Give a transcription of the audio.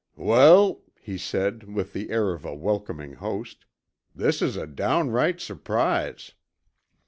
"Wal," he said with the air of a welcoming host, "this is a downright surprise."